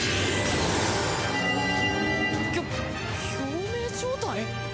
きょ共鳴状態？